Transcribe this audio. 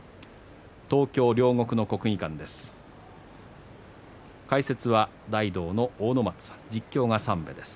東京・両国の国技館です。